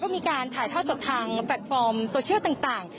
มีการถ่ายทอดสดทางแพลตฟอร์มโซเชียลต่าง